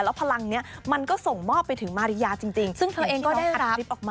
แล้วพลังเนี่ยมันก็ส่งมอบไปถึงมาริยาจริงซึ่งเธอเองก็ได้รับ